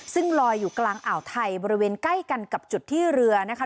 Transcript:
ซึ่งลอยอยู่กลางอ่าวไทยบริเวณใกล้กันกับจุดที่เรือนะคะ